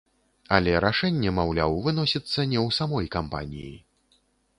Але рашэнне, маўляў, выносіцца не ў самой кампаніі.